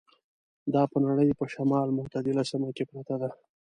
دا په نړۍ په شمال متعدله سیمه کې پرته ده.